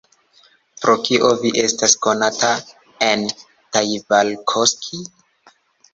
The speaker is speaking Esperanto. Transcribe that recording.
Pro kio vi estas konata en Taivalkoski?